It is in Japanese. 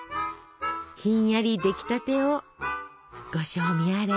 ひんやり出来たてをご賞味あれ！